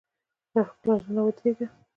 پر خپله ژمنه ودرېږئ.